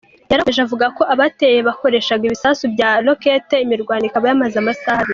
Yakomeje avuga ko abateye bakoreshaga ibisasu bya roquettes, imirwano ikaba yamaze amasaha abiri.